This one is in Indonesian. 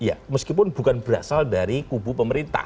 ya meskipun bukan berasal dari kubu pemerintah